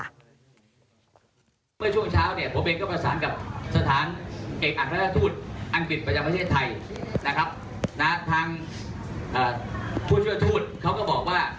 แต่ถ้าผู้เสียหายมีความประสงค์และเดินทางกลับมา